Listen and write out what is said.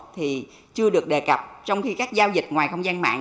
thì chưa được đề cập trong khi các giao dịch ngoài không gian mạng